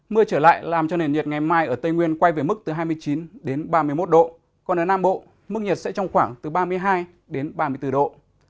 mưa trở lại làm cho nền nhiệt ngày mai ở tây nguyên quay về mức từ hai mươi chín đến ba mươi một độ còn ở nam bộ mức nhiệt sẽ trong khoảng từ ba mươi hai đến ba mươi bốn độ